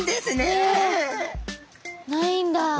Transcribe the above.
えないんだ。